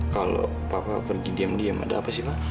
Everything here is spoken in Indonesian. kalau papa pergi diam diam ada apa sih pak